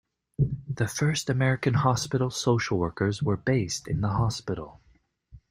The first American hospital social workers were based in the hospital.